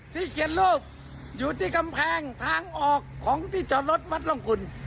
เขียนรูปอยู่ที่กำแพงทางออกของที่จอดรถวัดร่องคุณ